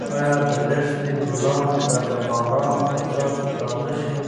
ایا د دښتې ګلان به د باران په څاڅکو تازه شي؟